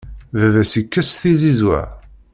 Baba-s ikess tizizwa.